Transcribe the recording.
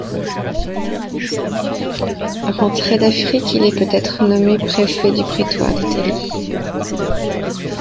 Rentré d'Afrique, il est peut-être nommé préfet du prétoire d'Italie.